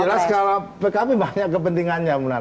yang jelas kalau pkb banyak kepentingannya muna